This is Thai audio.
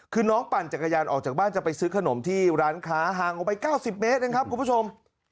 คือน้องปั่นจักรยานออกจากบ้านจะไปซื้อขนมที่ร้านค้าห่างออกไป๙๐เมตรเองครับคุณผู้ชม